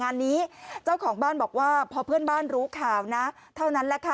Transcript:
งานนี้เจ้าของบ้านบอกว่าพอเพื่อนบ้านรู้ข่าวนะเท่านั้นแหละค่ะ